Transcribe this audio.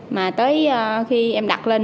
mà tới khi em đặt lên